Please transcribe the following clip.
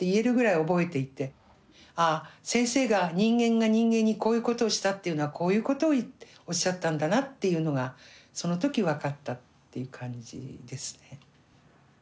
ああ先生が人間が人間にこういうことをしたっていうのはこういうことをおっしゃったんだなっていうのがその時分かったっていう感じですね。